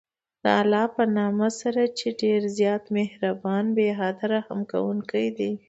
د الله په نامه سره چې ډېر زیات مهربان، بې حده رحم كوونكى دی.